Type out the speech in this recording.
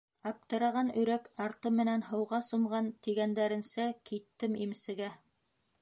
Аптыраған өйрәк арты менән һыуға сумған, тигәндәренсә, киттем имсегә.